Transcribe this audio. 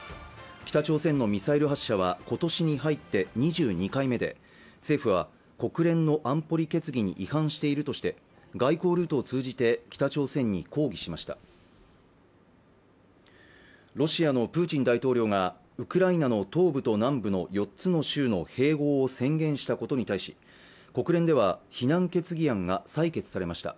北朝鮮のミサイル発射は今年に入って２２回目で政府は国連の安保理決議に違反しているとして外交ルートを通じて北朝鮮に抗議しましたロシアのプーチン大統領がウクライナの東部と南部の４つの州の併合を宣言したことに対し国連では非難決議案が採決されました